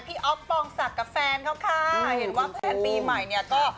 อ๊อฟปองศักดิ์กับแฟนเขาค่ะเห็นว่าแฟนปีใหม่เนี่ยก็